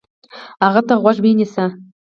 هغه ته غوږ ونیسئ،